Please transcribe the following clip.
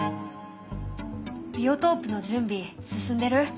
ビオトープの準備進んでる？